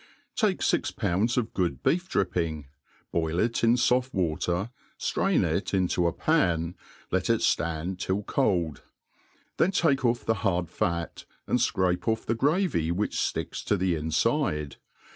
TAKE fi^ poundf of good beef dripping, boil it in Ibft wa ^ ter, ftrain it into a pan, let it ftand till cold} then take off the hard fat, and fcrape off the gfavy which fticks to the infide.